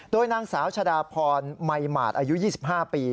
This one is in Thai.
โดยนางสาวชะดาพรมัยหมาดอายุ๒๕ปี